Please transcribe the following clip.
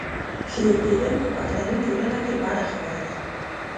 ښېل کېدل په پښتني ټولنه کې بده خبره ده.